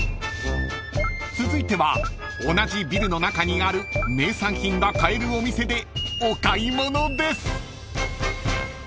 ［続いては同じビルの中にある名産品が買えるお店でお買い物です］